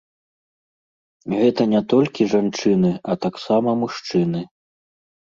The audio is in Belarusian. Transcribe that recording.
Гэта не толькі жанчыны, а таксама мужчыны.